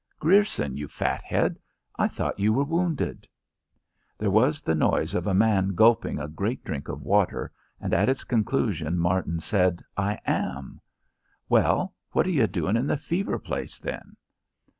"Grierson, you fat head. I thought you were wounded." There was the noise of a man gulping a great drink of water, and at its conclusion Martin said, "I am." "Well, what you doin' in the fever place, then?"